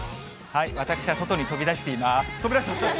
私は外に飛び出しています。